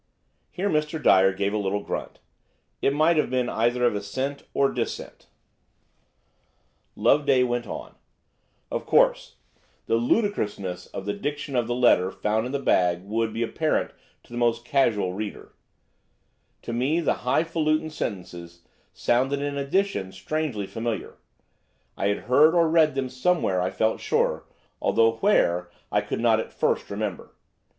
Here Mr. Dyer gave a little grunt; it might have been either of assent or dissent. Loveday went on: "Of course, the ludicrousness of the diction of the letter found in the bag would be apparent to the most casual reader; to me the high falutin sentences sounded in addition strangely familiar; I had heard or read them somewhere I felt sure, although where I could not at first remember.